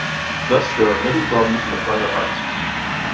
Thus, there are many problems in the prior art.